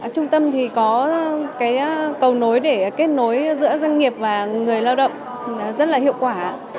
trung tâm thì có cái cầu nối để kết nối giữa doanh nghiệp và người lao động rất là hiệu quả